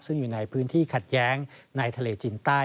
ซึ่งอยู่ในพื้นที่ขัดแย้งในทะเลจีนใต้